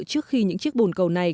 trước khi những chiếc bồn cầu này